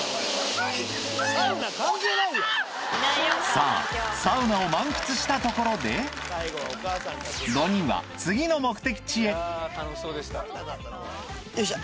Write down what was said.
さぁサウナを満喫したところでよいしょ。